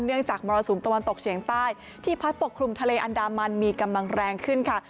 จากมรสุมตะวันตกเฉียงใต้ที่พัดปกคลุมทะเลอันดามันมีกำลังแรงขึ้นค่ะ